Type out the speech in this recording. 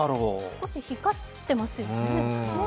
少し光ってますよね。